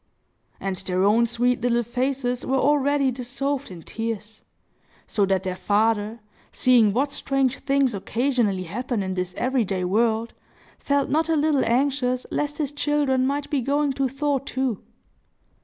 And their own sweet little faces were already dissolved in tears; so that their father, seeing what strange things occasionally happen in this every day world, felt not a little anxious lest his children might be going to thaw too!